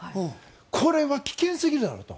これは危険すぎるだろうと。